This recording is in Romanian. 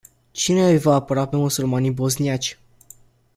Cine îi va apăra pe musulmanii bosniaci?